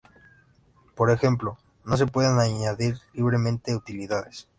Por ejemplo, no se pueden añadir libremente utilidades.